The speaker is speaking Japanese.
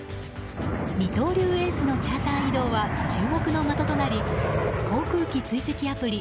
二刀流エースのチャーター移動は注目の的となり航空機追跡アプリ